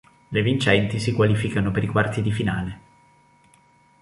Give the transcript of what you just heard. Le vincenti si qualificano per i quarti di finale.